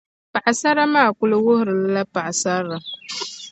Paɣisara maa kuli wuhirili la paɣisarilim